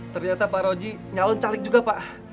ternyata pak roji nyalon caleg juga pak